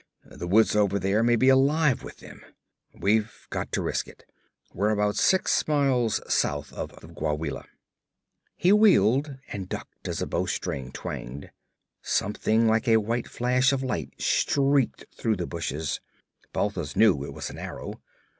The woods over there may be alive with them. We've got to risk it. We're about six miles south of Gwawela.' He wheeled and ducked as a bow string twanged. Something like a white flash of light streaked through the bushes. Balthus knew it was an arrow.